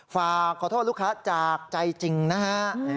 ฝากขอโทษลูกค้าจากใจจริงนะฮะ